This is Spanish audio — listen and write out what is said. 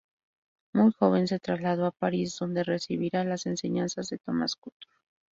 Muy joven se trasladó a París, donde recibirá las enseñanzas de Thomas Couture.